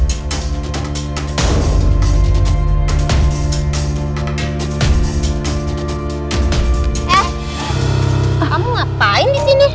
eh kamu ngapain disini